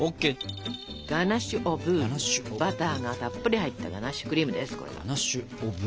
ガナッシュ・オ・ブールバターがたっぷり入ったガナッシュクリームです